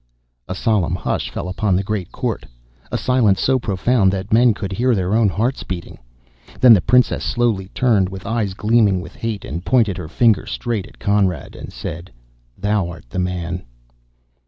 A solemn hush fell upon the great court a silence so profound that men could hear their own hearts beat. Then the princess slowly turned, with eyes gleaming with hate, and pointing her finger straight at Conrad, said: "Thou art the man!"